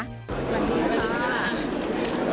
สวัสดีค่ะ